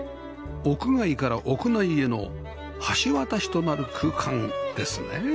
屋外から屋内への橋渡しとなる空間ですね